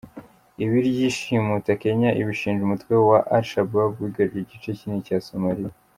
Iby’iryo shimuta Kenya ibishinja umutwe wa Al Shabab wigaruriye igice kinini cya Somalia.